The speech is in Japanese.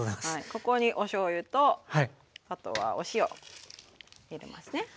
ここにおしょうゆとあとはお塩入れますね。